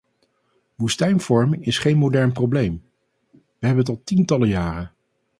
Woestijnvorming is geen modern probleem; we hebben het al tientallen jaren.